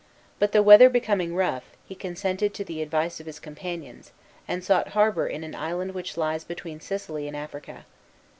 But the weather becoming rough, he consented to the advice of his companions, and sought harbor in an island which lies between Sicily and Africa.